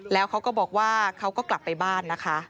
แล้วเขาก็บอกว่าเขาก็กลับไปบ้านนะคะ